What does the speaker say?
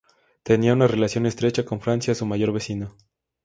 Tenía una relación estrecha con Francia, su mayor vecino.